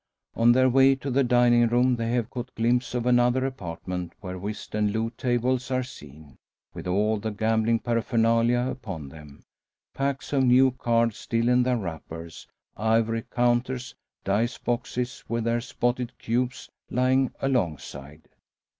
On their way to the dining room they have caught glimpse of another apartment where whist and loo tables are seen, with all the gambling paraphernalia upon them packs of new cards still in their wrappers, ivory counters, dice boxes with their spotted cubes lying alongside.